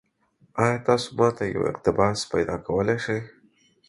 ایا تاسو ما ته یو اقتباس پیدا کولی شئ؟